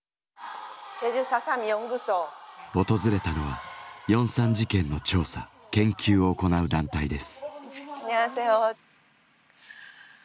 訪れたのは４・３事件の調査研究を行う団体です。